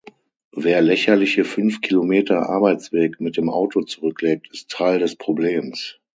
Wer lächerliche fünf Kilometer Arbeitsweg mit dem Auto zurücklegt, ist Teil des Problems.